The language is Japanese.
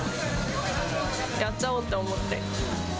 やっちゃおうと思って。